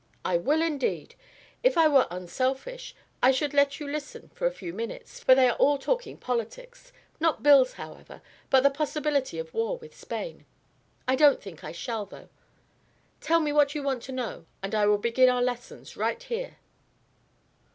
"I will, indeed. If I were unselfish, I should let you listen for a few minutes, for they are all talking politics; not bills, however, but the possibility of war with Spain. I don't think I shall, though. Tell me what you want to know and I will begin our lessons right here."